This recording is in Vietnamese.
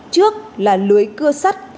trước là lưới cưa sắt